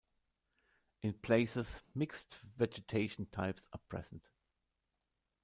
In places mixed vegetation types are present.